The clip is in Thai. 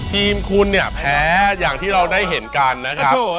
ทีมคุณเนี่ยแพ้อย่างที่เราได้เห็นกันนะครับ